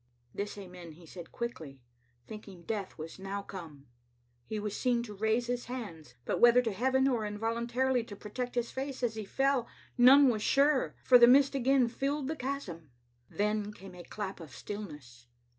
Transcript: " This amen he said quickly, thinking death was now come. He was seen to raise his hands, but whether to Heaven or involuntarily to protect his face as he fell none was sure, for the mist again filled the chasm. Then came a clap of stillness.